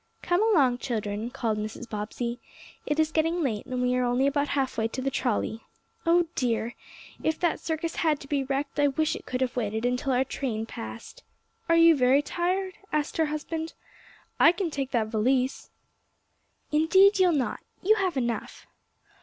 "Come along, children," called Mrs. Bobbsey, "it is getting late, and we are only about half way to the trolley. Oh dear! If that circus had to be wrecked I wish it could have waited until our train passed." "Are you very tired?" asked her husband. "I can take that valise." "Indeed you'll not. You have enough."